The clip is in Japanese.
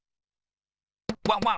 ワンワン。